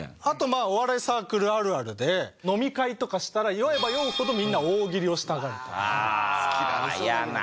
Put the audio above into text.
あとまあお笑いサークルあるあるで飲み会とかしたら酔えば酔うほどみんな大喜利をしたがるとか。